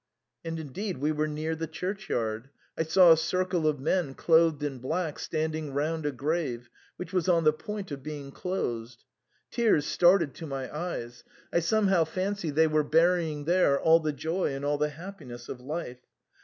And indeed we were near the churchyard ; I saw a circle of men clothed in black standing round a grave, which was on the point of being closed. Tears started to my eyes ; I somehow fancied they were burying there all the joy and all the happiness of life.